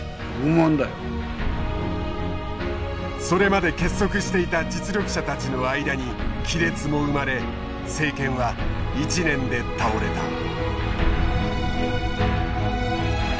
それまで結束していた実力者たちの間に亀裂も生まれ政権は１年で倒れた。